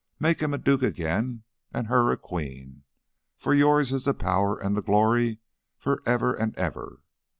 Make him a duke again, an' her a queen, for yours is the power an' the glory for ever an' ever.